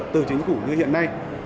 từ chính phủ như hiện nay